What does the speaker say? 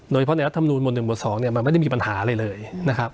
โดยเฉพาะในรัฐมนูนหมวนหนึ่งหมวดสองเนี้ยมันไม่ได้มีปัญหาอะไรเลยนะครับ